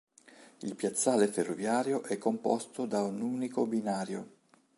Il piazzale ferroviario è composto da un unico binario.